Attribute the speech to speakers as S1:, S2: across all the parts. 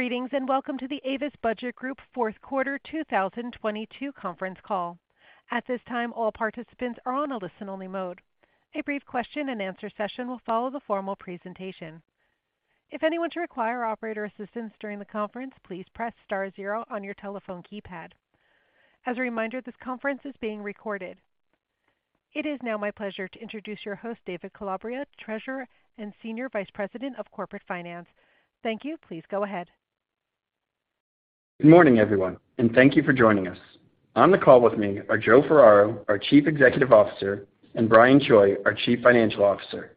S1: Greetings, welcome to the Avis Budget Group fourth quarter 2022 conference call. At this time, all participants are on a listen-only mode. A brief question-and-answer session will follow the formal presentation. If anyone should require operator assistance during the conference, please press star zero on your telephone keypad. As a reminder, this conference is being recorded. It is now my pleasure to introduce your host, David Calabria, Treasurer and Senior Vice President of Corporate Finance. Thank you. Please go ahead.
S2: Good morning, everyone, and thank you for joining us. On the call with me are Joe Ferraro, our Chief Executive Officer, and Brian Choi, our Chief Financial Officer.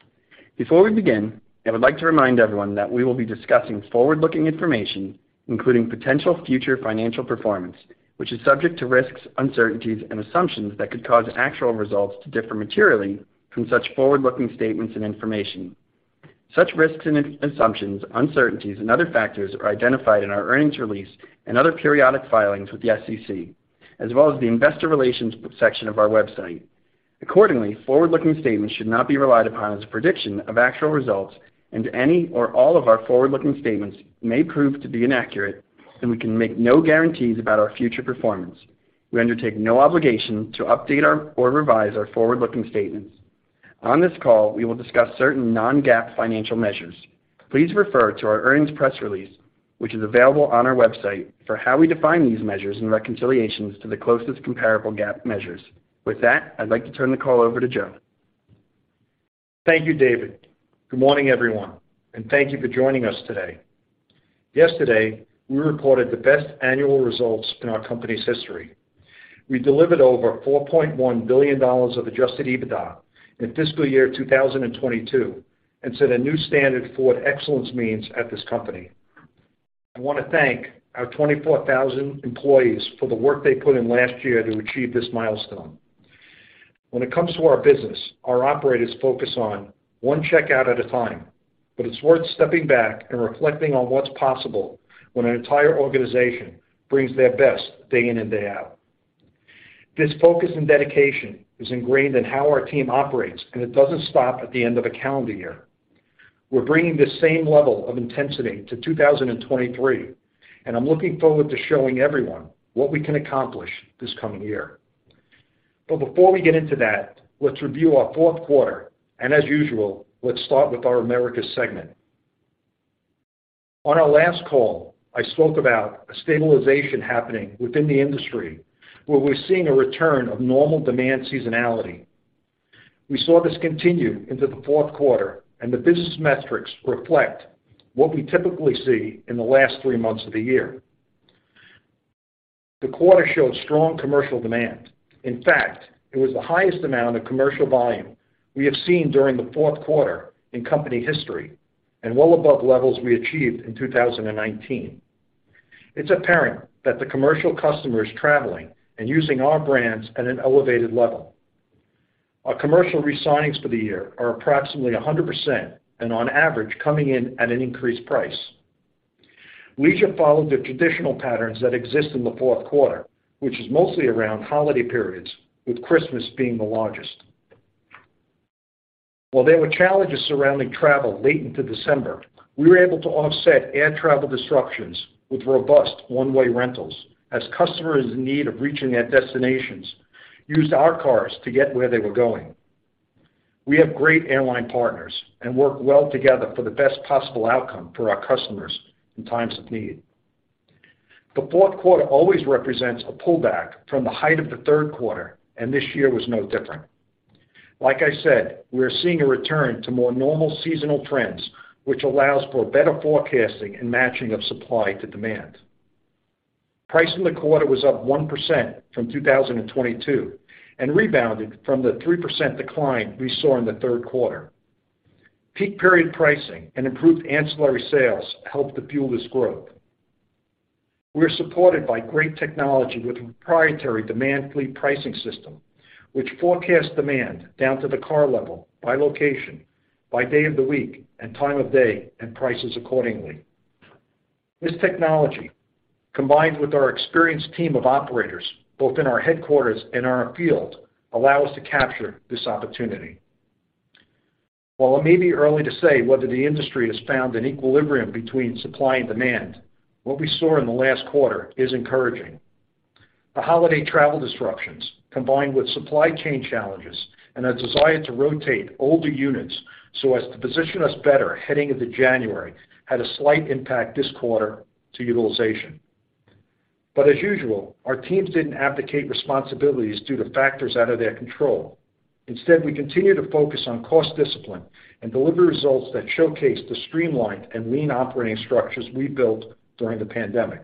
S2: Before we begin, I would like to remind everyone that we will be discussing forward-looking information, including potential future financial performance, which is subject to risks, uncertainties and assumptions that could cause actual results to differ materially from such forward-looking statements and information. Such risks and assumptions, uncertainties and other factors are identified in our earnings release and other periodic filings with the SEC, as well as the investor relations section of our website. Accordingly, forward-looking statements should not be relied upon as a prediction of actual results, and any or all of our forward-looking statements may prove to be inaccurate, and we can make no guarantees about our future performance. We undertake no obligation to update or revise our forward-looking statements. On this call, we will discuss certain non-GAAP financial measures. Please refer to our earnings press release, which is available on our website for how we define these measures and reconciliations to the closest comparable GAAP measures. With that, I'd like to turn the call over to Joe.
S3: Thank you, David. Good morning, everyone, and thank you for joining us today. Yesterday, we reported the best annual results in our company's history. We delivered over $4.1 billion of Adjusted EBITDA in fiscal year 2022 and set a new standard for what excellence means at this company. I want to thank our 24,000 employees for the work they put in last year to achieve this milestone. When it comes to our business, our operators focus on one checkout at a time, but it's worth stepping back and reflecting on what's possible when an entire organization brings their best day in and day out. This focus and dedication is ingrained in how our team operates, and it doesn't stop at the end of a calendar year. We're bringing the same level of intensity to 2023. I'm looking forward to showing everyone what we can accomplish this coming year. Before we get into that, let's review our fourth quarter, and as usual, let's start with our Americas segment. On our last call, I spoke about a stabilization happening within the industry, where we're seeing a return of normal demand seasonality. We saw this continue into the fourth quarter. The business metrics reflect what we typically see in the last three months of the year. The quarter showed strong commercial demand. In fact, it was the highest amount of commercial volume we have seen during the fourth quarter in company history and well above levels we achieved in 2019. It's apparent that the commercial customer is traveling and using our brands at an elevated level. Our commercial re-signings for the year are approximately 100% and on average coming in at an increased price. Leisure followed the traditional patterns that exist in the fourth quarter, which is mostly around holiday periods, with Christmas being the largest. While there were challenges surrounding travel late into December, we were able to offset air travel disruptions with robust one-way rentals as customers in need of reaching their destinations used our cars to get where they were going. We have great airline partners and work well together for the best possible outcome for our customers in times of need. The fourth quarter always represents a pullback from the height of the third quarter, and this year was no different. Like I said, we are seeing a return to more normal seasonal trends, which allows for better forecasting and matching of supply to demand. Price in the quarter was up 1% from 2022 and rebounded from the 3% decline we saw in the third quarter. Peak period pricing and improved ancillary sales helped to fuel this growth. We are supported by great technology with a proprietary demand fleet pricing system, which forecasts demand down to the car level by location, by day of the week and time of day and prices accordingly. This technology, combined with our experienced team of operators both in our headquarters and our field, allow us to capture this opportunity. While it may be early to say whether the industry has found an equilibrium between supply and demand, what we saw in the last quarter is encouraging. The holiday travel disruptions, combined with supply chain challenges and a desire to rotate older units so as to position us better heading into January, had a slight impact this quarter to utilization. As usual, our teams didn't abdicate responsibilities due to factors out of their control. We continue to focus on cost discipline and deliver results that showcase the streamlined and lean operating structures we built during the pandemic.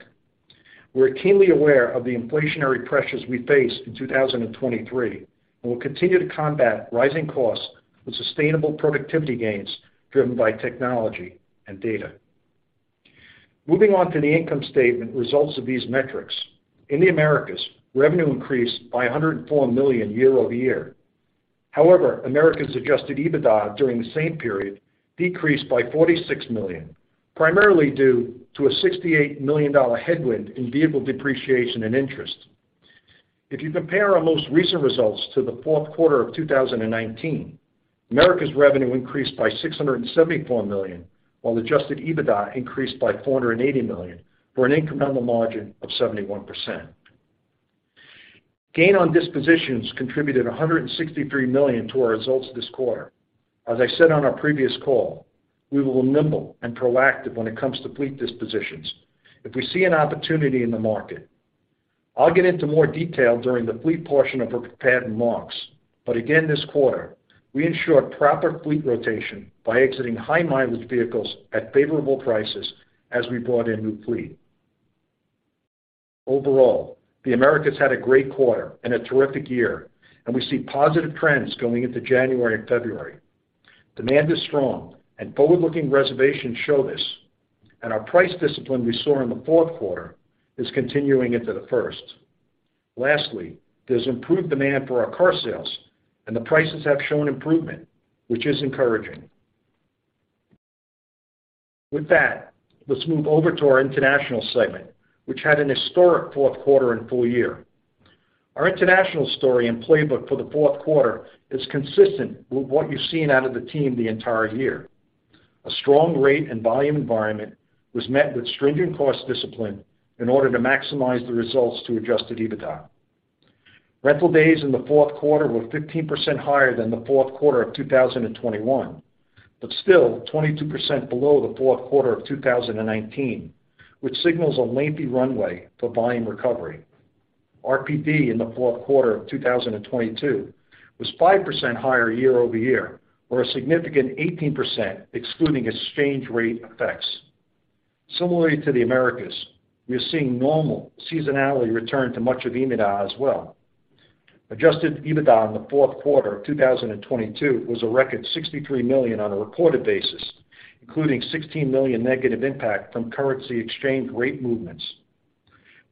S3: We're keenly aware of the inflationary pressures we face in 2023, and we'll continue to combat rising costs with sustainable productivity gains driven by technology and data. Moving on to the income statement results of these metrics. In the Americas, revenue increased by $104 million year-over-year. Americas Adjusted EBITDA during the same period decreased by $46 million, primarily due to a $68 million headwind in vehicle depreciation and interest. If you compare our most recent results to the fourth quarter of 2019, Americas revenue increased by $674 million, while Adjusted EBITDA increased by $480 million, for an incremental margin of 71%. Gain on dispositions contributed $163 million to our results this quarter. As I said on our previous call, we were nimble and proactive when it comes to fleet dispositions. If we see an opportunity in the market, I'll get into more detail during the fleet portion of our prepared remarks, but again, this quarter, we ensured proper fleet rotation by exiting high-mileage vehicles at favorable prices as we brought in new fleet. Overall, the Americas had a great quarter and a terrific year. We see positive trends going into January and February. Demand is strong and forward-looking reservations show this. Our price discipline we saw in the fourth quarter is continuing into the first. Lastly, there's improved demand for our car sales. The prices have shown improvement, which is encouraging. With that, let's move over to our international segment, which had an historic fourth quarter and full year. Our international story and playbook for the fourth quarter is consistent with what you've seen out of the team the entire year. A strong rate and volume environment was met with stringent cost discipline in order to maximize the results to Adjusted EBITDA. Rental days in the fourth quarter were 15% higher than the fourth quarter of 2021. Still 22% below the fourth quarter of 2019, which signals a lengthy runway for volume recovery. RPD in the fourth quarter of 2022 was 5% higher year-over-year, or a significant 18% excluding exchange rate effects. Similarly to the Americas, we are seeing normal seasonality return to much of EBITDA as well. Adjusted EBITDA in the fourth quarter of 2022 was a record $63 million on a reported basis, including $16 million negative impact from currency exchange rate movements.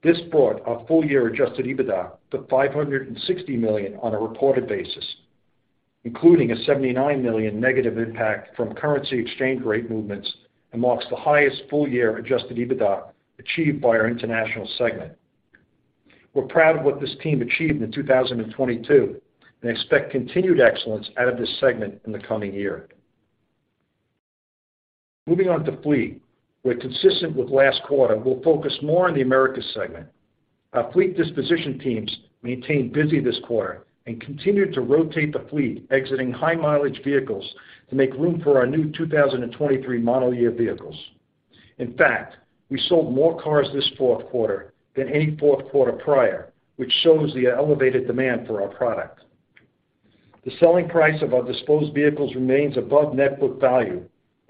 S3: This brought our full-year Adjusted EBITDA to $560 million on a reported basis, including a $79 million negative impact from currency exchange rate movements, and marks the highest full-year Adjusted EBITDA achieved by our international segment. We're proud of what this team achieved in 2022, and expect continued excellence out of this segment in the coming year. Moving on to fleet, where consistent with last quarter, we'll focus more on the Americas segment. Our fleet disposition teams maintained busy this quarter and continued to rotate the fleet, exiting high-mileage vehicles to make room for our new 2023 model year vehicles. In fact, we sold more cars this fourth quarter than any fourth quarter prior, which shows the elevated demand for our product. The selling price of our disposed vehicles remains above net book value.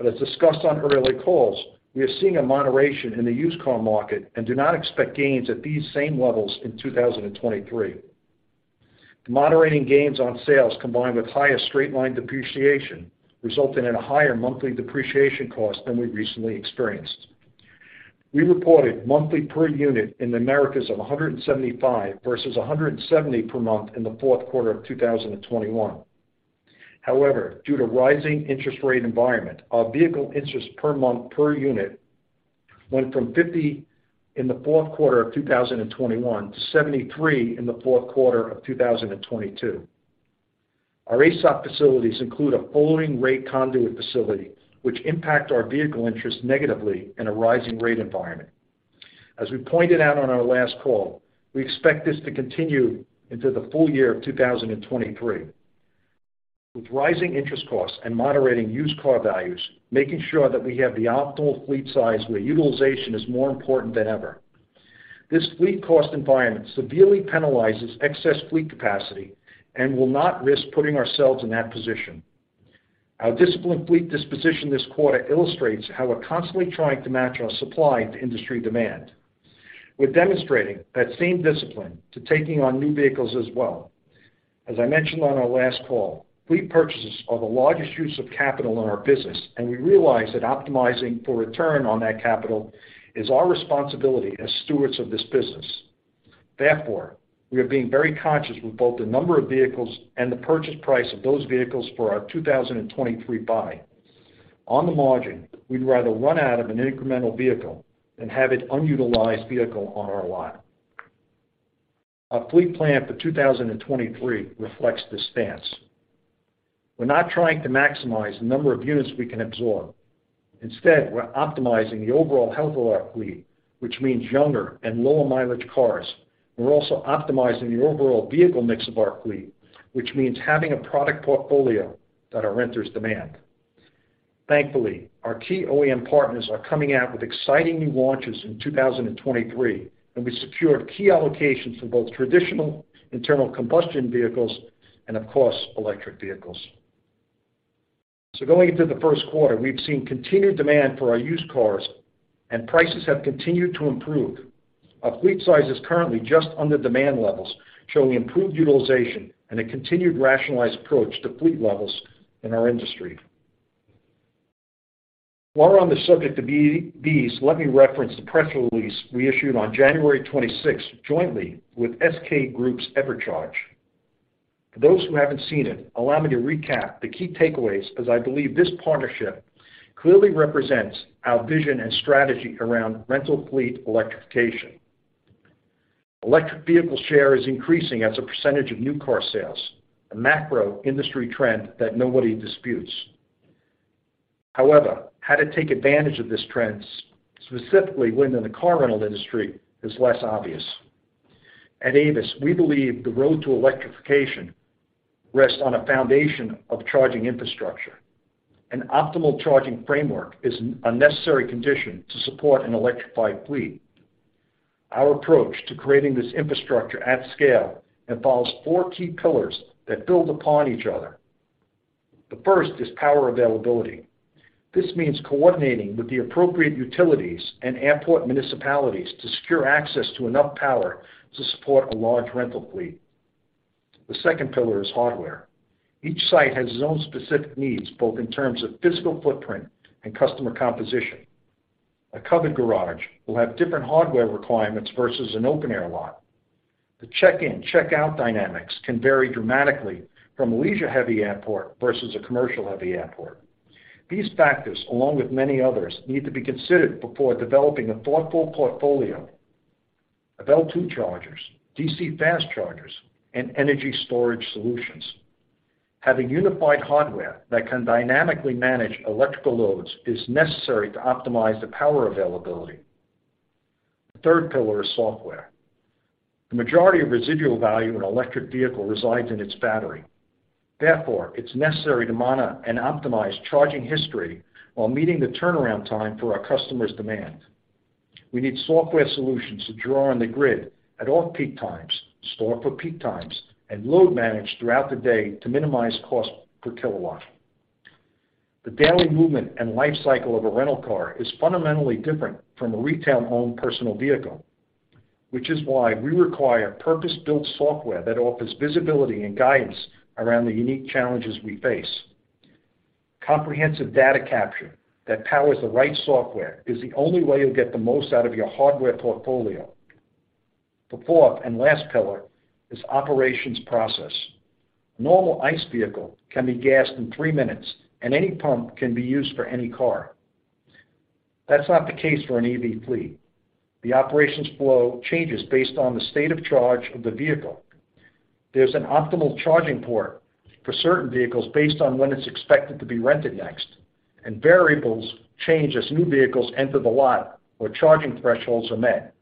S3: As discussed on earlier calls, we are seeing a moderation in the used car market and do not expect gains at these same levels in 2023. Moderating gains on sales combined with higher straight-line depreciation resulted in a higher monthly depreciation cost than we recently experienced. We reported monthly per unit in the Americas of $175 versus $170 per month in the fourth quarter of 2021. Due to rising interest rate environment, our vehicle interest per month per unit went from $50 in the fourth quarter of 2021 to $73 in the fourth quarter of 2022. Our AESOP facilities include a floating-rate conduit facility, which impact our vehicle interest negatively in a rising rate environment. As we pointed out on our last call, we expect this to continue into the full year of 2023. With rising interest costs and moderating used car values, making sure that we have the optimal fleet size where utilization is more important than ever. This fleet cost environment severely penalizes excess fleet capacity and will not risk putting ourselves in that position. Our disciplined fleet disposition this quarter illustrates how we're constantly trying to match our supply to industry demand. We're demonstrating that same discipline to taking on new vehicles as well. As I mentioned on our last call, fleet purchases are the largest use of capital in our business, and we realize that optimizing for return on that capital is our responsibility as stewards of this business. Therefore, we are being very conscious with both the number of vehicles and the purchase price of those vehicles for our 2023 buy. On the margin, we'd rather run out of an incremental vehicle than have an unutilized vehicle on our lot. Our fleet plan for 2023 reflects this stance. We're not trying to maximize the number of units we can absorb. Instead, we're optimizing the overall health of our fleet, which means younger and lower-mileage cars. We're also optimizing the overall vehicle mix of our fleet, which means having a product portfolio that our renters demand. Thankfully, our key OEM partners are coming out with exciting new launches in 2023, and we secured key allocations for both traditional internal combustion vehicles and, of course, electric vehicles. Going into the first quarter, we've seen continued demand for our used cars and prices have continued to improve. Our fleet size is currently just under demand levels, showing improved utilization and a continued rationalized approach to fleet levels in our industry. While we're on the subject of EVs, let me reference the press release we issued on January 26th jointly with SK Group's EverCharge. For those who haven't seen it, allow me to recap the key takeaways, as I believe this partnership clearly represents our vision and strategy around rental fleet electrification. Electric vehicle share is increasing as a percentage of new car sales, a macro industry trend that nobody disputes. However, how to take advantage of this trend, specifically within the car rental industry, is less obvious. At Avis, we believe the road to electrification rests on a foundation of charging infrastructure. An optimal charging framework is a necessary condition to support an electrified fleet. Our approach to creating this infrastructure at scale involves four key pillars that build upon each other. The first is power availability. This means coordinating with the appropriate utilities and airport municipalities to secure access to enough power to support a large rental fleet. The second pillar is hardware. Each site has its own specific needs, both in terms of physical footprint and customer composition. A covered garage will have different hardware requirements versus an open air lot. The check-in, checkout dynamics can vary dramatically from a leisure-heavy airport versus a commercial-heavy airport. These factors, along with many others, need to be considered before developing a thoughtful portfolio of L2 chargers, DC fast chargers, and energy storage solutions. Having unified hardware that can dynamically manage electrical loads is necessary to optimize the power availability. The third pillar is software. The majority of residual value in an electric vehicle resides in its battery. Therefore, it's necessary to monitor and optimize charging history while meeting the turnaround time for our customer's demand. We need software solutions to draw on the grid at off-peak times, store for peak times, and load manage throughout the day to minimize cost per kilowatt. The daily movement and life cycle of a rental car is fundamentally different from a retail owned personal vehicle, which is why we require purpose-built software that offers visibility and guidance around the unique challenges we face. Comprehensive data capture that powers the right software is the only way you'll get the most out of your hardware portfolio. The fourth and last pillar is operations process. A normal ICE vehicle can be gassed in three minutes, and any pump can be used for any car. That's not the case for an EV fleet. The operations flow changes based on the state of charge of the vehicle. There's an optimal charging port for certain vehicles based on when it's expected to be rented next. Variables change as new vehicles enter the lot or charging thresholds are met.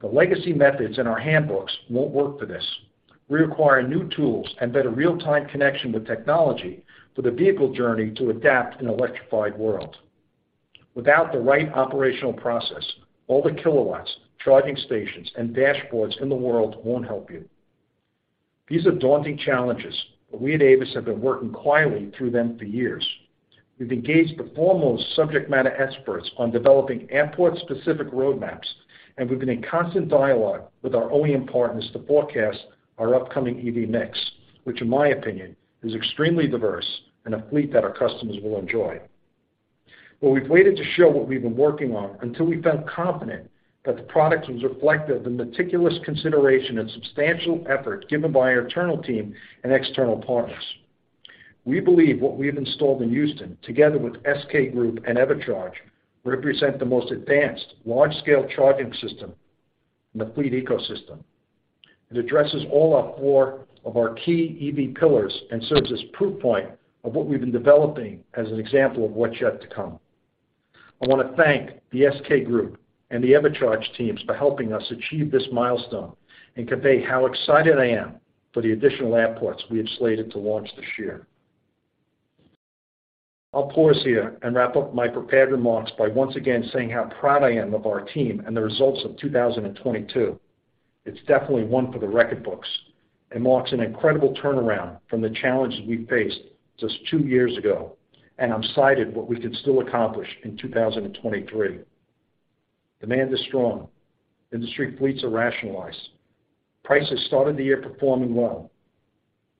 S3: The legacy methods in our handbooks won't work for this. We require new tools and better real-time connection with technology for the vehicle journey to adapt an electrified world. Without the right operational process, all the kilowatts, charging stations, and dashboards in the world won't help you. These are daunting challenges. We at Avis have been working quietly through them for years. We've engaged the foremost subject matter experts on developing airport-specific roadmaps, we've been in constant dialogue with our OEM partners to forecast our upcoming EV mix, which in my opinion, is extremely diverse and a fleet that our customers will enjoy. We've waited to show what we've been working on until we felt confident that the product has reflected the meticulous consideration and substantial effort given by our internal team and external partners. We believe what we have installed in Houston, together with SK Group and EverCharge, represent the most advanced large-scale charging system in the fleet ecosystem. It addresses all our four of our key EV pillars and serves as proof point of what we've been developing as an example of what's yet to come. I want to thank the SK Group and the EverCharge teams for helping us achieve this milestone, and convey how excited I am for the additional airports we have slated to launch this year. I'll pause here and wrap up my prepared remarks by once again saying how proud I am of our team and the results of 2022. It's definitely one for the record books, and marks an incredible turnaround from the challenges we faced just two years ago, and I'm excited what we can still accomplish in 2023. Demand is strong. Industry fleets are rationalized. Prices started the year performing well,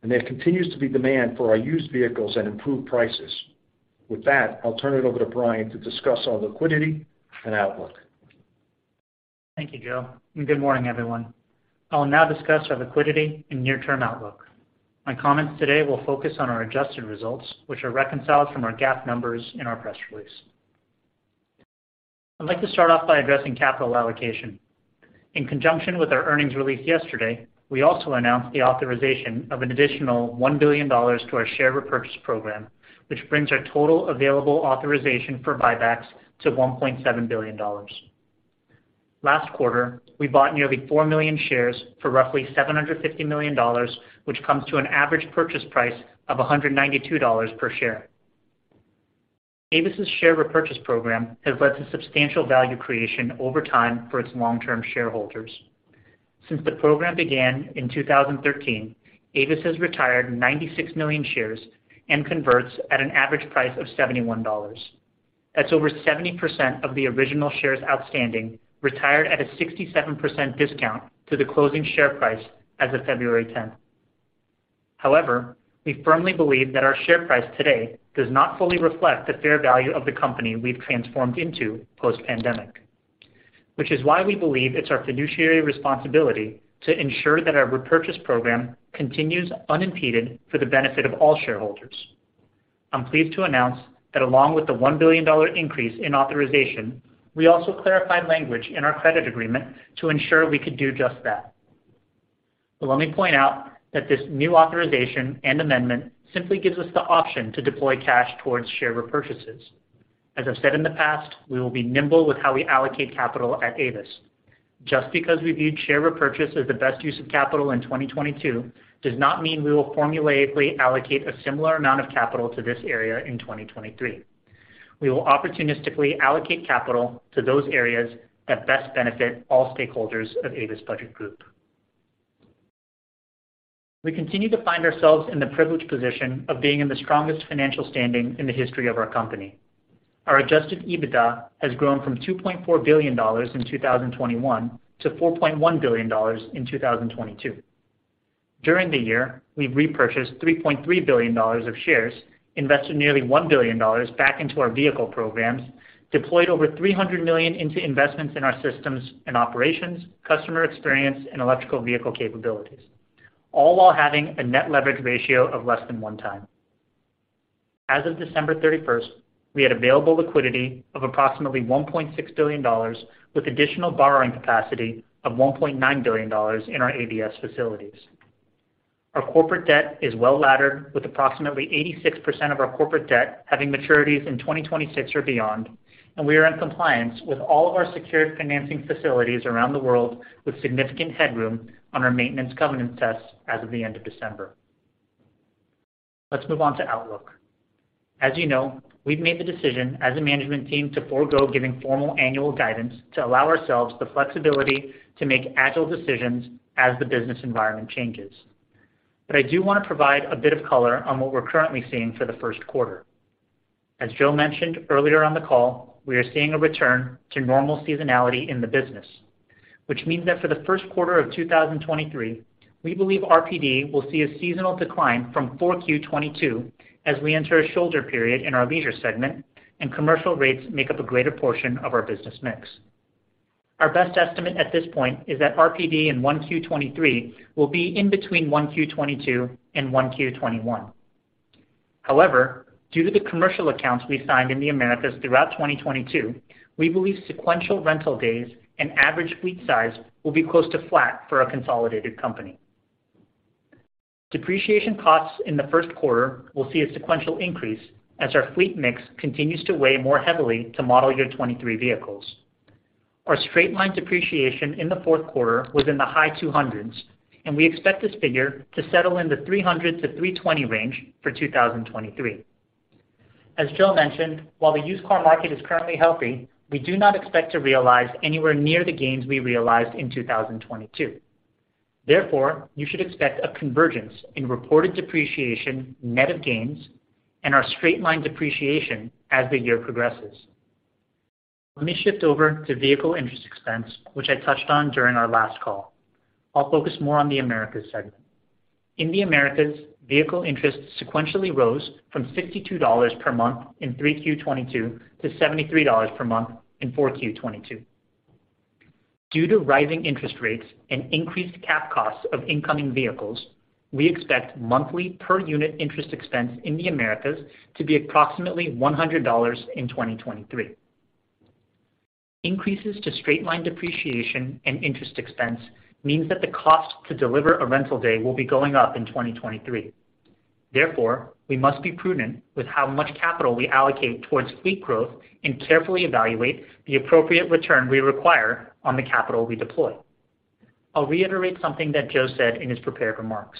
S3: and there continues to be demand for our used vehicles at improved prices. With that, I'll turn it over to Brian to discuss our liquidity and outlook.
S4: Thank you, Joe Ferraro, good morning, everyone. I will now discuss our liquidity and near-term outlook. My comments today will focus on our adjusted results, which are reconciled from our GAAP numbers in our press release. I'd like to start off by addressing capital allocation. In conjunction with our earnings release yesterday, we also announced the authorization of an additional $1 billion to our share repurchase program, which brings our total available authorization for buybacks to $1.7 billion. Last quarter, we bought nearly 4 million shares for roughly $750 million, which comes to an average purchase price of $192 per share. Avis's share repurchase program has led to substantial value creation over time for its long-term shareholders. Since the program began in 2013, Avis has retired 96 million shares and converts at an average price of $71. That's over 70% of the original shares outstanding, retired at a 67% discount to the closing share price as of February 10th. We firmly believe that our share price today does not fully reflect the fair value of the company we've transformed into post-pandemic. It's why we believe it's our fiduciary responsibility to ensure that our repurchase program continues unimpeded for the benefit of all shareholders. I'm pleased to announce that along with the $1 billion increase in authorization, we also clarified language in our credit agreement to ensure we could do just that. Let me point out that this new authorization and amendment simply gives us the option to deploy cash towards share repurchases. As I've said in the past, we will be nimble with how we allocate capital at Avis. Just because we viewed share repurchase as the best use of capital in 2022, does not mean we will formulaically allocate a similar amount of capital to this area in 2023. We will opportunistically allocate capital to those areas that best benefit all stakeholders of Avis Budget Group. We continue to find ourselves in the privileged position of being in the strongest financial standing in the history of our company. Our Adjusted EBITDA has grown from $2.4 billion in 2021 to $4.1 billion in 2022. During the year, we've repurchased $3.3 billion of shares, invested nearly $1 billion back into our vehicle programs, deployed over $300 million into investments in our systems and operations, customer experience, and electrical vehicle capabilities, all while having a net leverage ratio of less than one time. As of December 31st, we had available liquidity of approximately $1.6 billion, with additional borrowing capacity of $1.9 billion in our ABS facilities. Our corporate debt is well-laddered with approximately 86% of our corporate debt having maturities in 2026 or beyond. We are in compliance with all of our secured financing facilities around the world with significant headroom on our maintenance covenant tests as of the end of December. Let's move on to outlook. As you know, we've made the decision as a management team to forego giving formal annual guidance to allow ourselves the flexibility to make agile decisions as the business environment changes. I do want to provide a bit of color on what we're currently seeing for the first quarter. As Joe mentioned earlier on the call, we are seeing a return to normal seasonality in the business, which means that for the first quarter of 2023, we believe RPD will see a seasonal decline from 4Q 2022 as we enter a shoulder period in our leisure segment and commercial rates make up a greater portion of our business mix. Our best estimate at this point is that RPD in 1Q 2023 will be in between 1Q 2022 and 1Q 2021. However, due to the commercial accounts we signed in the Americas throughout 2022, we believe sequential rental days and average fleet size will be close to flat for our consolidated company. Depreciation costs in the first quarter will see a sequential increase as our fleet mix continues to weigh more heavily to model year 23 vehicles. Our straight-line depreciation in the fourth quarter was in the high two hundreds, and we expect this figure to settle in the $300-$320 range for 2023. As Joe mentioned, while the used car market is currently healthy, we do not expect to realize anywhere near the gains we realized in 2022. Therefore, you should expect a convergence in reported depreciation net of gains and our straight-line depreciation as the year progresses. Let me shift over to vehicle interest expense, which I touched on during our last call. I'll focus more on the Americas segment. In the Americas, vehicle interest sequentially rose from $62 per month in 3Q 2022 to $73 per month in 4Q 2022. Due to rising interest rates and increased cap costs of incoming vehicles, we expect monthly per unit interest expense in the Americas to be approximately $100 in 2023. Increases to straight-line depreciation and interest expense means that the cost to deliver a rental day will be going up in 2023. We must be prudent with how much capital we allocate towards fleet growth and carefully evaluate the appropriate return we require on the capital we deploy. I'll reiterate something that Joe said in his prepared remarks.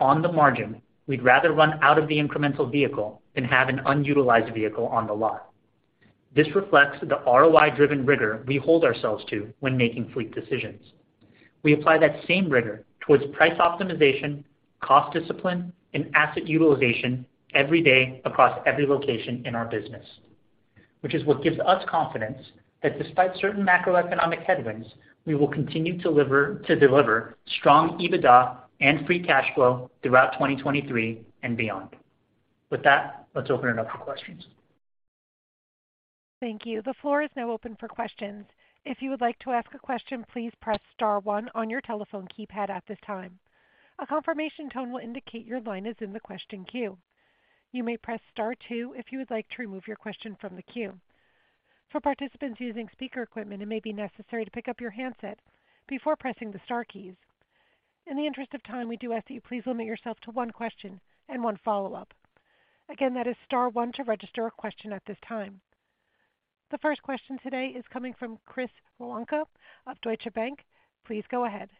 S4: On the margin, we'd rather run out of the incremental vehicle than have an unutilized vehicle on the lot. This reflects the ROI-driven rigor we hold ourselves to when making fleet decisions. We apply that same rigor towards price optimization, cost discipline, and asset utilization every day across every location in our business, which is what gives us confidence that despite certain macroeconomic headwinds, we will continue to deliver strong EBITDA and free cash flow throughout 2023 and beyond. With that, let's open it up for questions.
S1: Thank you. The floor is now open for questions. If you would like to ask a question, please press star one on your telephone keypad at this time. A confirmation tone will indicate your line is in the question queue. You may press star two if you would like to remove your question from the queue. For participants using speaker equipment, it may be necessary to pick up your handset before pressing the star keys. In the interest of time, we do ask that you please limit yourself to one question and one follow-up. Again, that is star one to register a question at this time. The first question today is coming from Chris Woronka of Deutsche Bank. Please go ahead.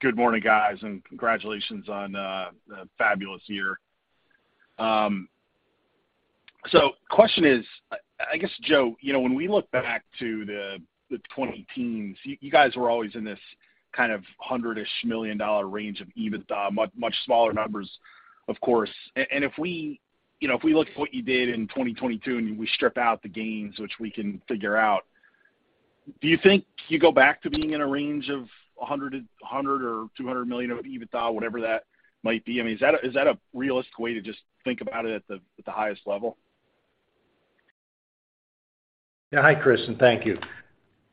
S5: Good morning, guys, and congratulations on a fabulous year. Question is, I guess, Joe, you know, when we look back to the twenty-teens, you guys were always in this kind of hundred-ish million dollar range of EBITDA, much, much smaller numbers, of course. If we, you know, if we look at what you did in 2022, and we strip out the gains, which we can figure out. Do you think you go back to being in a range of $100 million or $200 million of EBITDA, whatever that might be? I mean, is that a, is that a realistic way to just think about it at the, at the highest level?
S3: Yeah. Hi, Chris, and thank you.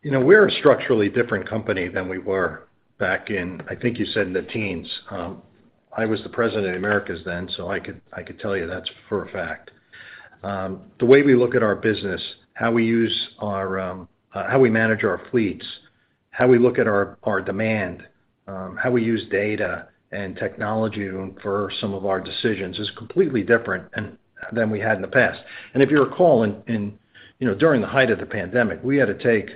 S3: You know, we're a structurally different company than we were back in, I think you said in the teens. I was the President of Americas then, so I could tell you that's for a fact. The way we look at our business, how we use our, how we manage our fleets, how we look at our demand, how we use data and technology to infer some of our decisions is completely different than we had in the past. If you recall, you know, during the height of the pandemic, we had to take,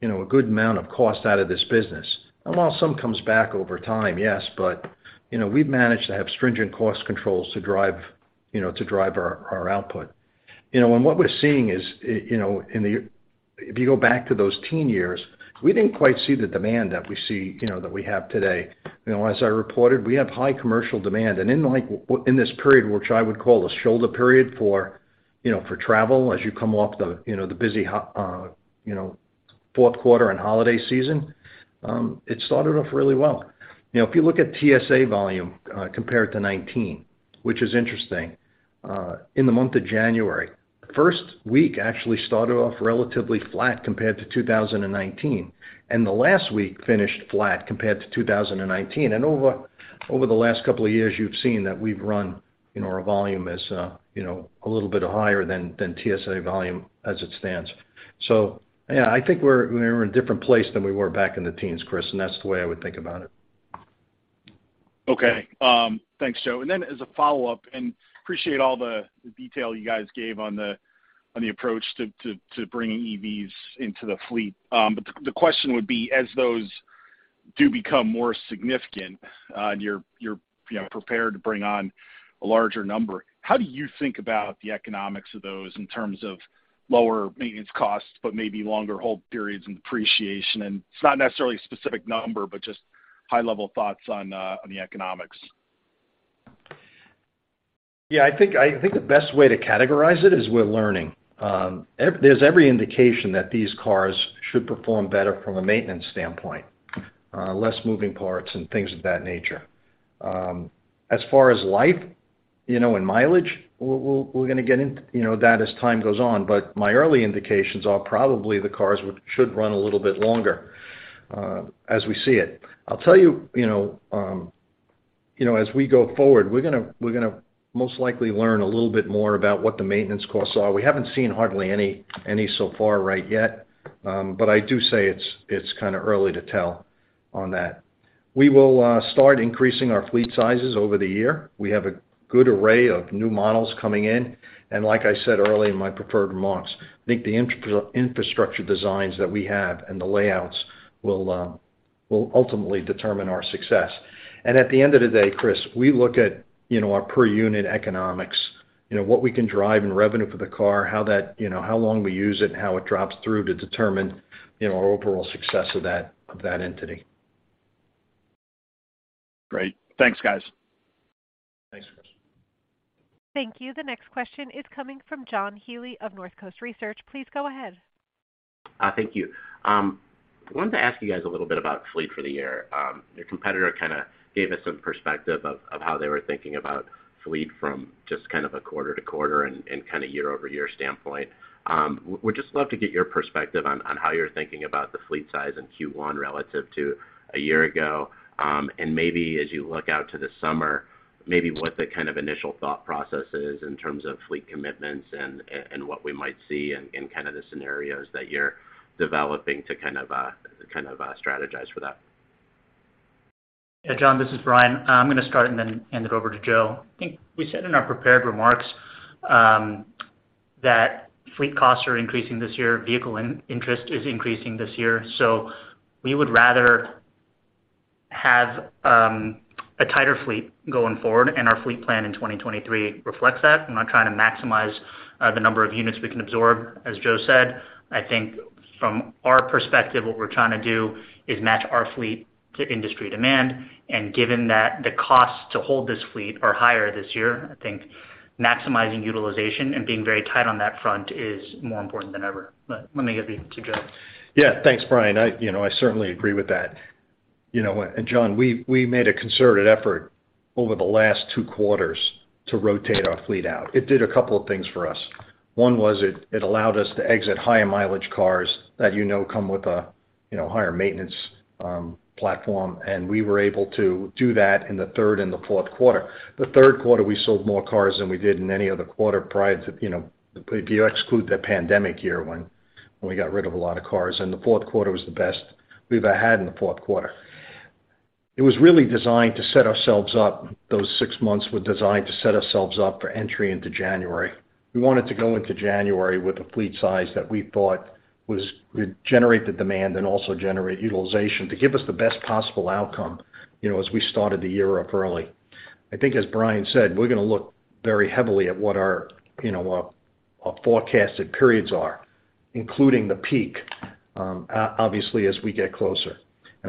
S3: you know, a good amount of cost out of this business. While some comes back over time, yes, but you know, we've managed to have stringent cost controls to drive, you know, to drive our output. You know, what we're seeing is, you know, if you go back to those teen years, we didn't quite see the demand that we see, you know, that we have today. You know, as I reported, we have high commercial demand. In like in this period, which I would call a shoulder period for, you know, for travel as you come off the, you know, the busy, you know, fourth quarter and holiday season, it started off really well. You know, if you look at TSA volume compared to 2019, which is interesting, in the month of January, first week actually started off relatively flat compared to 2019, and the last week finished flat compared to 2019. Over the last couple of years, you've seen that we've run, you know, our volume as, you know, a little bit higher than TSA volume as it stands. Yeah, I think we're in a different place than we were back in the teens, Chris, and that's the way I would think about it.
S5: Okay. Thanks, Joe. As a follow-up, and appreciate all the detail you guys gave on the approach to bringing EVs into the fleet. The question would be, as those do become more significant, and you're, you know, prepared to bring on a larger number, how do you think about the economics of those in terms of lower maintenance costs, but maybe longer hold periods and depreciation? It's not necessarily a specific number, but just high-level thoughts on the economics.
S3: Yeah, I think the best way to categorize it is we're learning. There's every indication that these cars should perform better from a maintenance standpoint, less moving parts and things of that nature. As far as life, you know, and mileage, we'll, we're gonna get in, you know, that as time goes on. My early indications are probably the cars should run a little bit longer, as we see it. I'll tell you know, you know, as we go forward, we're gonna most likely learn a little bit more about what the maintenance costs are. We haven't seen hardly any so far right yet. I do say it's kinda early to tell on that. We will start increasing our fleet sizes over the year. We have a good array of new models coming in. Like I said early in my prepared remarks, I think the infrastructure designs that we have and the layouts will ultimately determine our success. At the end of the day, Chris, we look at, you know, our per unit economics, you know, what we can drive in revenue for the car, how that, you know, how long we use it, and how it drops through to determine, you know, our overall success of that entity.
S5: Great. Thanks, guys.
S3: Thanks, Chris.
S1: Thank you. The next question is coming from John Healy of Northcoast Research. Please go ahead.
S6: Thank you. Wanted to ask you guys a little bit about fleet for the year. Your competitor kind of gave us some perspective of how they were thinking about fleet from just kind of a quarter-to-quarter and, kind of year-over-year standpoint. Would just love to get your perspective on how you're thinking about the fleet size in Q1 relative to a year ago. Maybe as you look out to the summer, maybe what the kind of initial thought process is in terms of fleet commitments and what we might see and kind of the scenarios that you're developing to kind of strategize for that.
S4: Yeah. John, this is Brian. I'm gonna start and then hand it over to Joe. I think we said in our prepared remarks, that fleet costs are increasing this year. Vehicle in-interest is increasing this year. We would rather have a tighter fleet going forward, and our fleet plan in 2023 reflects that. We're not trying to maximize the number of units we can absorb, as Joe said. I think from our perspective, what we're trying to do is match our fleet to industry demand. Given that the costs to hold this fleet are higher this year, I think maximizing utilization and being very tight on that front is more important than ever. Let me get to Joe.
S3: Yeah. Thanks, Brian. I, you know, I certainly agree with that. You know, John, we made a concerted effort over the last two quarters to rotate our fleet out. It did a couple of things for us. One was it allowed us to exit higher mileage cars that you know come with a, you know, higher maintenance platform, and we were able to do that in the third and the fourth quarter. The third quarter, we sold more cars than we did in any other quarter prior to, you know, if you exclude the pandemic year when we got rid of a lot of cars. The fourth quarter was the best we've ever had in the fourth quarter. It was really designed to set ourselves up. Those six months were designed to set ourselves up for entry into January. We wanted to go into January with a fleet size that we thought would generate the demand and also generate utilization to give us the best possible outcome, you know, as we started the year up early. I think as Brian said, we're gonna look very heavily at what our, you know, our forecasted periods are, including the peak, obviously as we get closer.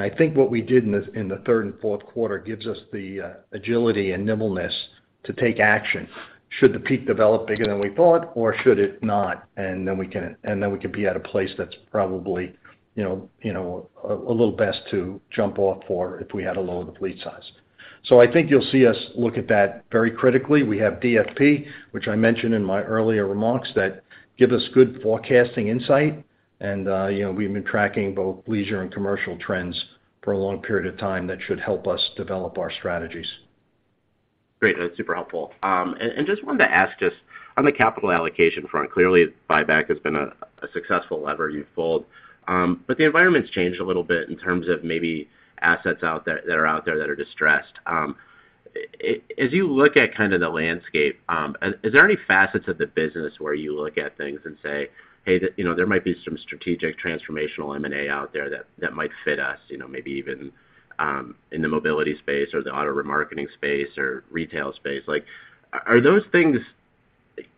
S3: I think what we did in the third and fourth quarter gives us the agility and nimbleness to take action should the peak develop bigger than we thought or should it not, and then we could be at a place that's probably, you know, you know, a little best to jump off for if we had a lower fleet size. I think you'll see us look at that very critically. We have DFP, which I mentioned in my earlier remarks, that give us good forecasting insight and, you know, we've been tracking both leisure and commercial trends for a long period of time that should help us develop our strategies.
S6: Great. That's super helpful. Just wanted to ask just on the capital allocation front, clearly buyback has been a successful lever you've pulled. The environment's changed a little bit in terms of maybe assets that are out there that are distressed. As you look at kind of the landscape, is there any facets of the business where you look at things and say, "Hey, you know, there might be some strategic transformational M&A out there that might fit us," you know, maybe even in the mobility space or the auto remarketing space or retail space. Like, are those things,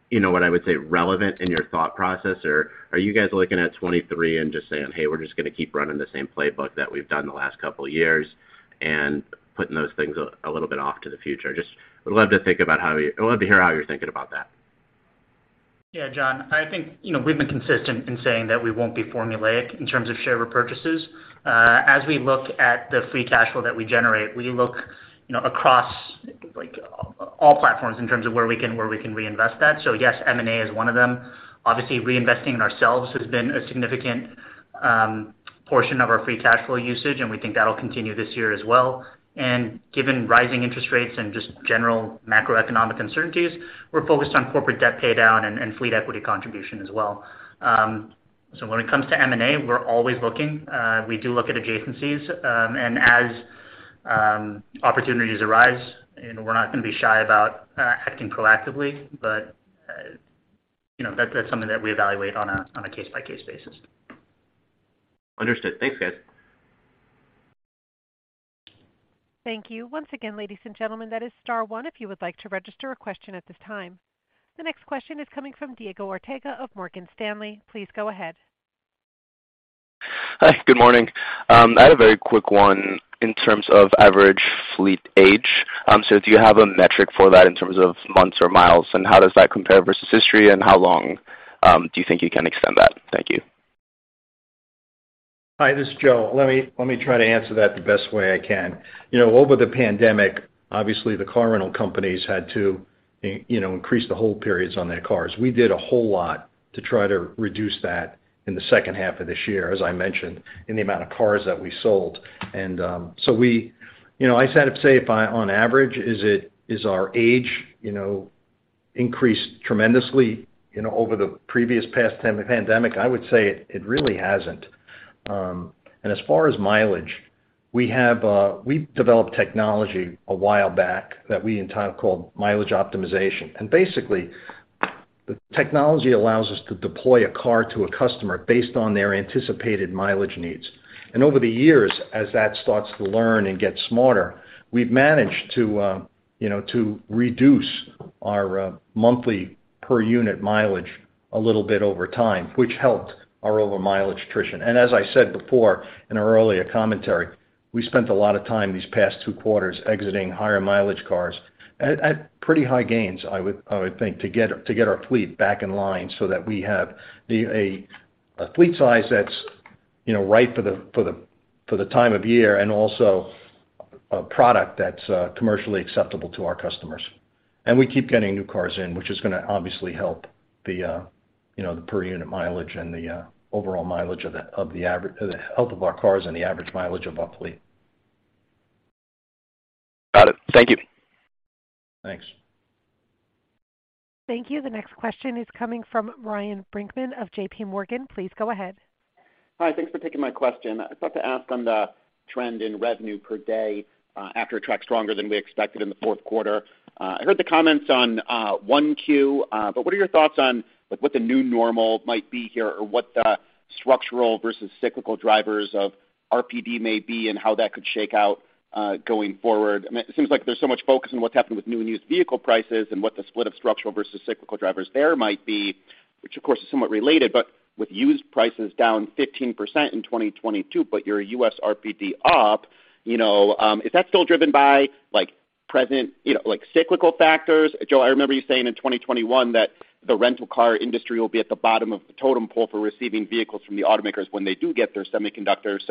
S6: you know, what I would say, relevant in your thought process? Are you guys looking at 2023 and just saying, "Hey, we're just gonna keep running the same playbook that we've done the last couple years," and putting those things a little bit off to the future? Just would love to hear how you're thinking about that.
S4: Yeah. John, I think, you know, we've been consistent in saying that we won't be formulaic in terms of share repurchases. As we look at the free cash flow that we generate, we look, you know, across, like, all platforms in terms of where we can reinvest that. Yes, M&A is one of them. Obviously, reinvesting in ourselves has been a significant portion of our free cash flow usage, and we think that'll continue this year as well. Given rising interest rates and just general macroeconomic uncertainties, we're focused on corporate debt paydown and fleet equity contribution as well. When it comes to M&A, we're always looking. We do look at adjacencies, and as opportunities arise, you know, we're not gonna be shy about acting proactively. You know, that's something that we evaluate on a case-by-case basis.
S6: Understood. Thanks, guys.
S1: Thank you. Once again, ladies and gentlemen, that is star one if you would like to register a question at this time. The next question is coming from Diego Ortega of Morgan Stanley. Please go ahead.
S7: Hi. Good morning. I had a very quick one in terms of average fleet age. Do you have a metric for that in terms of months or miles, and how does that compare versus history, and how long, do you think you can extend that? Thank you.
S3: Hi, this is Joe. Let me try to answer that the best way I can. You know, over the pandemic, obviously the car rental companies had to, you know, increase the hold periods on their cars. We did a whole lot to try to reduce that in the second half of this year, as I mentioned, in the amount of cars that we sold. You know, I set up to say on average, is our age, you know, increased tremendously, you know, over the previous past time of pandemic? I would say it really hasn't. As far as mileage, we have, we've developed technology a while back that we called Mileage Optimization. Basically, the technology allows us to deploy a car to a customer based on their anticipated mileage needs. Over the years, as that starts to learn and get smarter, we've managed to, you know, to reduce our monthly per unit mileage a little bit over time, which helped our over-mileage attrition. As I said before in our earlier commentary, we spent a lot of time these past two quarters exiting higher mileage cars at pretty high gains, I would think, to get our fleet back in line so that we have a fleet size that's, you know, right for the time of year and also a product that's commercially acceptable to our customers. we keep getting new cars in, which is gonna obviously help the, you know, the per unit mileage and the, overall mileage of the health of our cars and the average mileage of our fleet.
S7: Got it. Thank you.
S3: Thanks.
S1: Thank you. The next question is coming from Ryan Brinkman of JPMorgan. Please go ahead.
S8: Hi, thanks for taking my question. I'd thought to ask on the trend in revenue per day, after it tracked stronger than we expected in the fourth quarter. I heard the comments on 1Q, but what are your thoughts on, like, what the new normal might be here or what the structural versus cyclical drivers of RPD may be and how that could shake out going forward? I mean, it seems like there's so much focus on what's happened with new and used vehicle prices and what the split of structural versus cyclical drivers there might be, which of course is somewhat related. With used prices down 15% in 2022, but your U.S. RPD up, you know, is that still driven by, like, present, you know, like, cyclical factors? Joe, I remember you saying in 2021 that the rental car industry will be at the bottom of the totem pole for receiving vehicles from the automakers when they do get their semiconductors.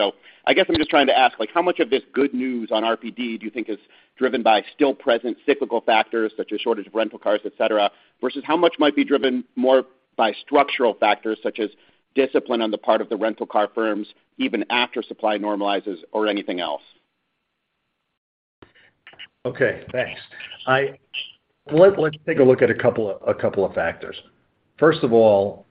S8: I guess I'm just trying to ask, like, how much of this good news on RPD do you think is driven by still present cyclical factors, such as shortage of rental cars, et cetera, versus how much might be driven more by structural factors, such as discipline on the part of the rental car firms even after supply normalizes or anything else?
S3: Okay, thanks. Let's take a look at a couple of factors. First of all,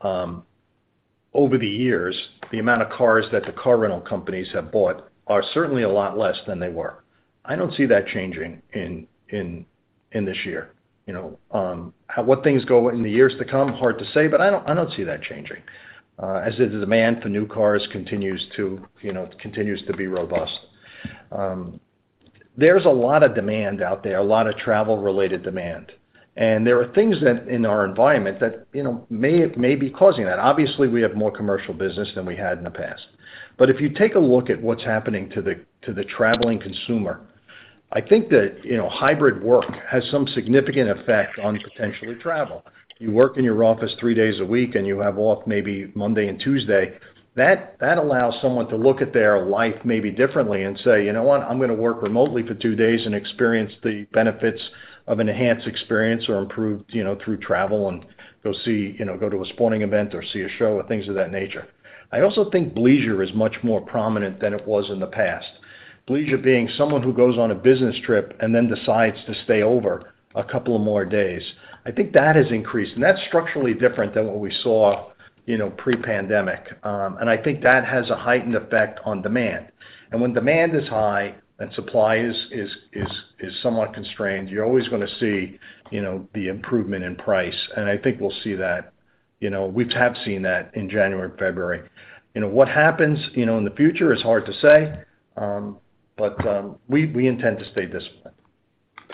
S3: over the years, the amount of cars that the car rental companies have bought are certainly a lot less than they were. I don't see that changing in this year. You know, what things go in the years to come, hard to say, but I don't see that changing as the demand for new cars continues to, you know, continues to be robust. There's a lot of demand out there, a lot of travel-related demand. There are things that in our environment that, you know, may be causing that. Obviously, we have more commercial business than we had in the past. If you take a look at what's happening to the traveling consumer, I think that, you know, hybrid work has some significant effect on potentially travel. You work in your office three days a week, and you have off maybe Monday and Tuesday. That allows someone to look at their life maybe differently and say, "You know what? I'm gonna work remotely for two days and experience the benefits of enhanced experience or improved, you know, through travel and go see, you know, go to a sporting event or see a show or things of that nature." I also think bleisure is much more prominent than it was in the past. Bleisure being someone who goes on a business trip and then decides to stay over a couple of more days. I think that has increased, and that's structurally different than what we saw, you know, pre-pandemic. I think that has a heightened effect on demand. When demand is high and supply is somewhat constrained, you're always gonna see, you know, the improvement in price. I think we'll see that. You know, we have seen that in January and February. You know, what happens, you know, in the future is hard to say. We intend to stay disciplined.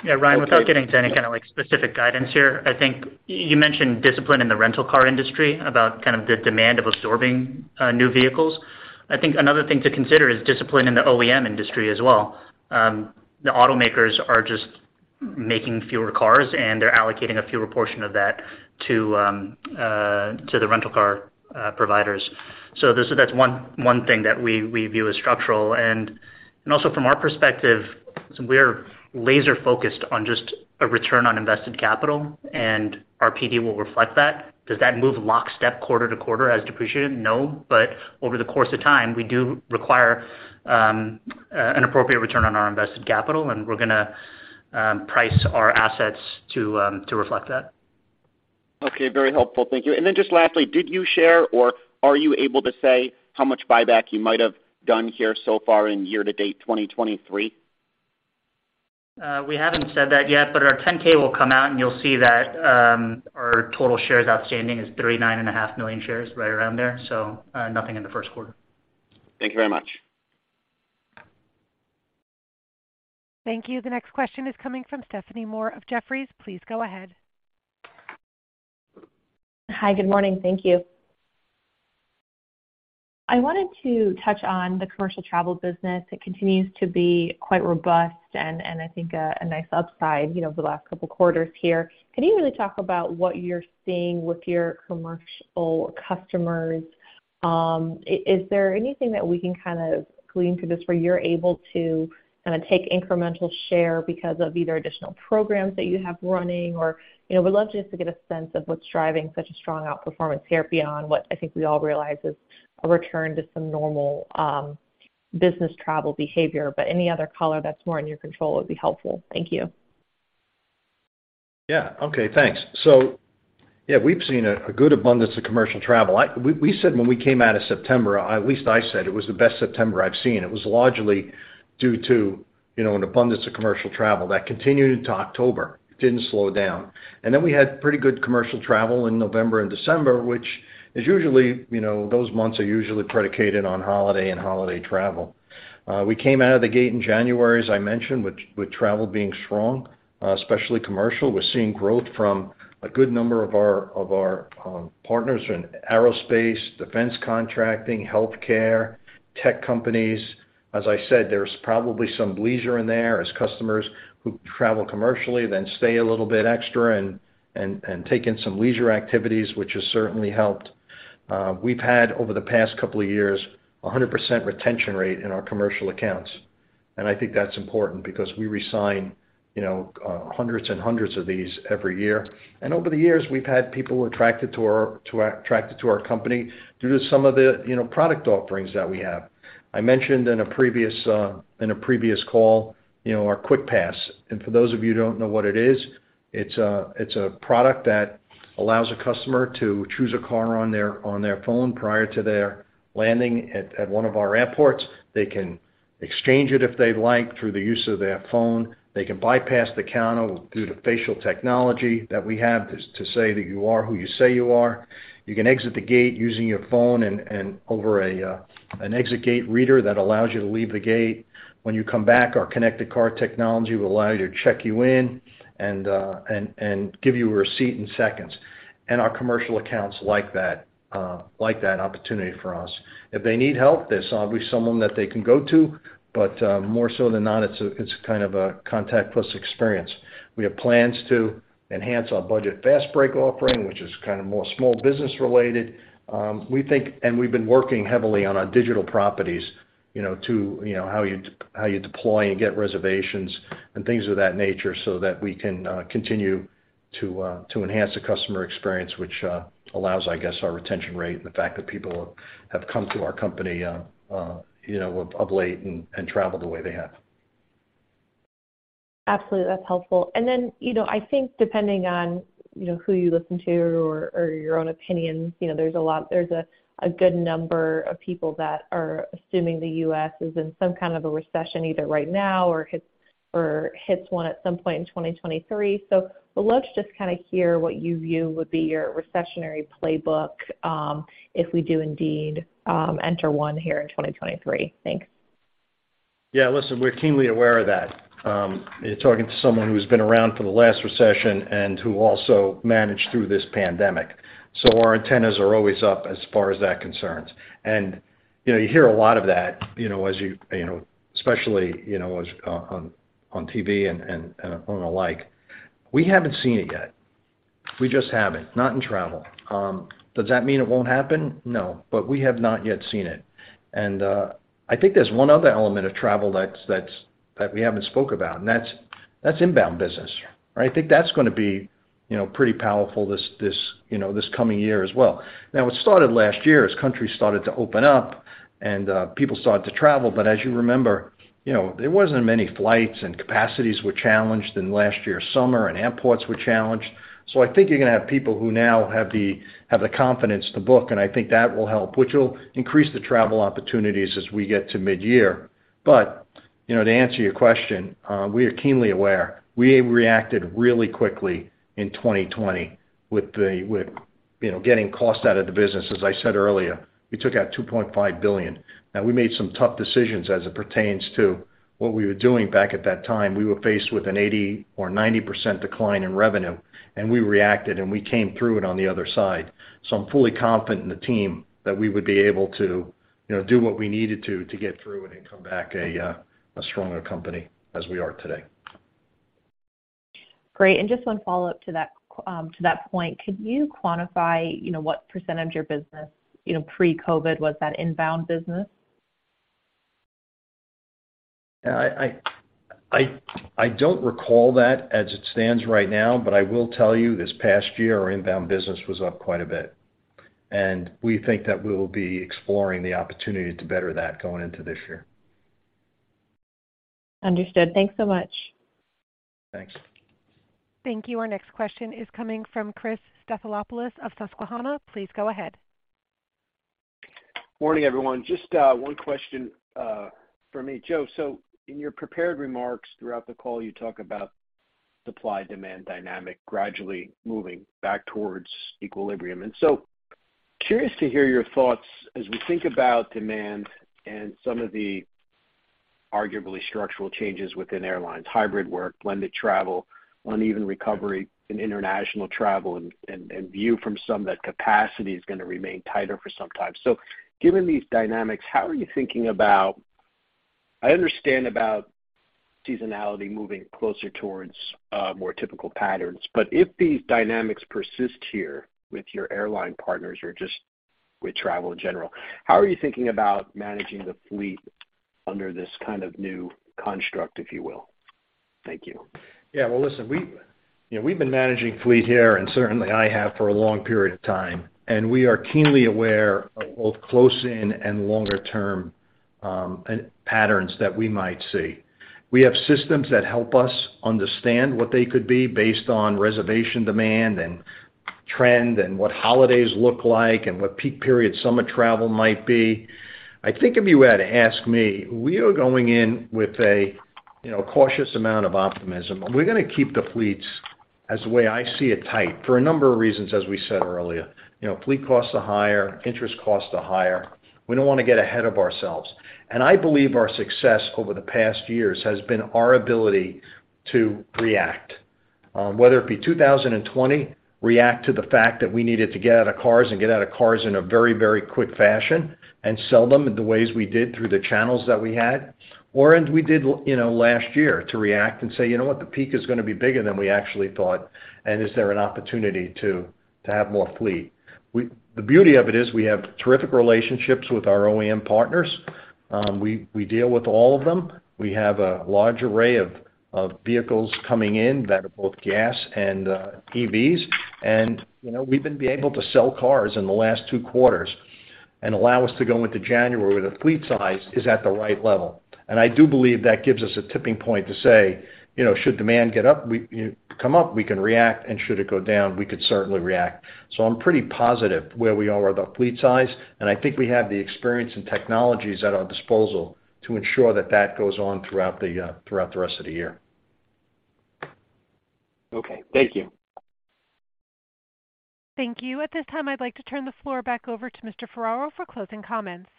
S4: Yeah, Ryan, without getting to any kind of, like, specific guidance here, I think you mentioned discipline in the rental car industry about kind of the demand of absorbing new vehicles. I think another thing to consider is discipline in the OEM industry as well. The automakers are just making fewer cars, and they're allocating a fewer portion of that to the rental car providers. That's one thing that we view as structural. Also from our perspective, we're laser-focused on just a return on invested capital, our RPD will reflect that. Does that move lockstep quarter to quarter as depreciated? No. Over the course of time, we do require an appropriate return on our invested capital, we're gonna price our assets to reflect that.
S8: Okay, very helpful. Thank you. Then just lastly, did you share or are you able to say how much buyback you might have done here so far in year-to-date 2023?
S4: we haven't said that yet, but our 10-K will come out, and you'll see that, our total shares outstanding is 39.5 million shares, right around there, so, nothing in the first quarter.
S8: Thank you very much.
S1: Thank you. The next question is coming from Stephanie Moore of Jefferies. Please go ahead.
S9: Hi. Good morning. Thank you. I wanted to touch on the commercial travel business. It continues to be quite robust and I think a nice upside, you know, over the last couple quarters here. Can you really talk about what you're seeing with your commercial customers? Is there anything that we can kind of glean through this where you're able to kinda take incremental share because of either additional programs that you have running or, you know, we'd love just to get a sense of what's driving such a strong outperformance here beyond what I think we all realize is a return to some normal business travel behavior. Any other color that's more in your control would be helpful. Thank you.
S3: Okay, thanks. We've seen a good abundance of commercial travel. We said when we came out of September, at least I said it was the best September I've seen. It was largely due to, you know, an abundance of commercial travel that continued into October. It didn't slow down. We had pretty good commercial travel in November and December, which is usually, you know, those months are usually predicated on holiday and holiday travel. We came out of the gate in January, as I mentioned, with travel being strong, especially commercial. We're seeing growth from a good number of our partners in aerospace, defense contracting, healthcare, tech companies. As I said, there's probably some leisure in there as customers who travel commercially then stay a little bit extra and take in some leisure activities, which has certainly helped. We've had, over the past couple of years, a 100% retention rate in our commercial accounts, and I think that's important because we resign, you know, hundreds and hundreds of these every year. Over the years, we've had people attracted to our company due to some of the, you know, product offerings that we have. I mentioned in a previous, in a previous call, you know, our QuickPass. For those of you who don't know what it is, it's a product that allows a customer to choose a car on their phone prior to their landing at one of our airports. They can exchange it if they'd like through the use of their phone. They can bypass the counter due to facial technology that we have to say that you are who you say you are. You can exit the gate using your phone and over an exit gate reader that allows you to leave the gate. When you come back, our connected car technology will allow you to check you in and give you a receipt in seconds. Our commercial accounts like that opportunity for us. If they need help, there's always someone that they can go to. More so than not, it's kind of a contactless experience. We have plans to enhance our Budget Fastbreak offering, which is kind of more small business related. We've been working heavily on our digital properties, you know, to, you know, how you deploy and get reservations and things of that nature so that we can continue to enhance the customer experience, which allows, I guess, our retention rate and the fact that people have come to our company, you know, of late and travel the way they have.
S9: Absolutely. That's helpful. You know, I think depending on, you know, who you listen to or your own opinions, you know, there's a good number of people that are assuming the U.S. is in some kind of a recession either right now or hits, or hits one at some point in 2023. Would love to just kinda hear what you view would be your recessionary playbook, if we do indeed, enter one here in 2023. Thanks.
S3: Yeah. Listen, we're keenly aware of that. You're talking to someone who's been around for the last recession and who also managed through this pandemic. Our antennas are always up as far as that concerns. You know, you hear a lot of that, you know, especially, you know, as on TV and the like. We haven't seen it yet. We just haven't. Not in travel. Does that mean it won't happen? No, we have not yet seen it. I think there's one other element of travel that's that we haven't spoke about, and that's inbound business, right? I think that's gonna be, you know, pretty powerful this, you know, this coming year as well. It started last year as countries started to open up and people started to travel. As you remember, you know, there wasn't many flights, and capacities were challenged in last year's summer, and airports were challenged. I think you're gonna have people who now have the confidence to book, and I think that will help, which will increase the travel opportunities as we get to midyear. You know, to answer your question, we are keenly aware. We reacted really quickly in 2020 with, you know, getting costs out of the business. As I said earlier, we took out $2.5 billion. We made some tough decisions as it pertains to what we were doing back at that time. We were faced with an 80% or 90% decline in revenue, and we reacted, and we came through it on the other side. I'm fully confident in the team that we would be able to, you know, do what we needed to get through it and come back a stronger company as we are today.
S9: Great. Just one follow-up to that, to that point. Could you quantify, you know, what % of your business, you know, pre-COVID was that inbound business?
S3: Yeah, I don't recall that as it stands right now, but I will tell you this past year, our inbound business was up quite a bit. We think that we will be exploring the opportunity to better that going into this year.
S9: Understood. Thanks so much.
S3: Thanks.
S1: Thank you. Our next question is coming from Christopher Stathoulopoulos of Susquehanna. Please go ahead.
S10: Morning, everyone. Just one question for me. Joe, in your prepared remarks throughout the call, you talk about supply-demand dynamic gradually moving back towards equilibrium. Curious to hear your thoughts as we think about demand and some of the arguably structural changes within airlines, hybrid work, bleisure travel, uneven recovery in international travel and view from some that capacity is gonna remain tighter for some time. Given these dynamics, how are you thinking about... I understand about seasonality moving closer towards a more typical patterns, but if these dynamics persist here with your airline partners or just with travel in general, how are you thinking about managing the fleet under this kind of new construct, if you will? Thank you.
S3: Yeah. Well, listen, you know, we've been managing fleet here, and certainly I have for a long period of time, and we are keenly aware of both close in and longer-term patterns that we might see. We have systems that help us understand what they could be based on reservation demand and trend and what holidays look like and what peak period summer travel might be. I think if you were to ask me, we are going in with a, you know, cautious amount of optimism. We're gonna keep the fleets, as the way I see it, tight for a number of reasons as we said earlier. You know, fleet costs are higher, interest costs are higher. We don't wanna get ahead of ourselves. I believe our success over the past years has been our ability to react. Whether it be 2020, react to the fact that we needed to get out of cars and get out of cars in a very, very quick fashion and sell them in the ways we did through the channels that we had. As we did, you know, last year, to react and say, "You know what? The peak is gonna be bigger than we actually thought, and is there an opportunity to have more fleet?" The beauty of it is we have terrific relationships with our OEM partners. We deal with all of them. We have a large array of vehicles coming in that are both gas and EVs. You know, we've been able to sell cars in the last two quarters and allow us to go into January with the fleet size is at the right level. I do believe that gives us a tipping point to say, you know, should demand get up, come up, we can react, and should it go down, we could certainly react. I'm pretty positive where we are with our fleet size, and I think we have the experience and technologies at our disposal to ensure that that goes on throughout the rest of the year.
S10: Okay. Thank you.
S1: Thank you. At this time, I'd like to turn the floor back over to Mr. Ferraro for closing comments.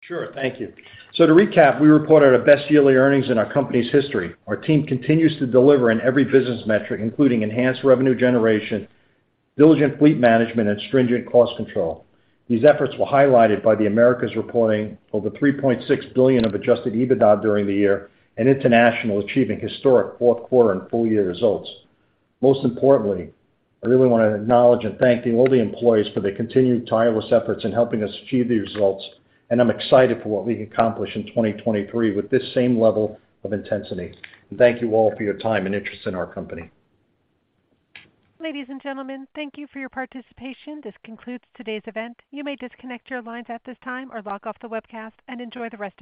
S3: Sure. Thank you. To recap, we reported our best yearly earnings in our company's history. Our team continues to deliver in every business metric, including enhanced revenue generation, diligent fleet management, and stringent cost control. These efforts were highlighted by the Americas reporting over $3.6 billion of Adjusted EBITDA during the year and International achieving historic fourth quarter and full year results. Most importantly, I really want to acknowledge and thank all the employees for their continued tireless efforts in helping us achieve these results. I'm excited for what we can accomplish in 2023 with this same level of intensity. Thank you all for your time and interest in our company.
S1: Ladies and gentlemen, thank you for your participation. This concludes today's event. You may disconnect your lines at this time or log off the webcast and enjoy the rest of your day.